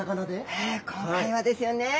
今回はですよね